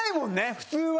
普通は。